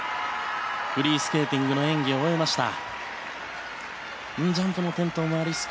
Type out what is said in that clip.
フリースケーティングの演技を終えました。